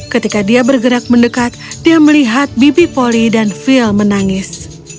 ketika dia bergerak mendekat dia melihat bibi poli dan phil menangis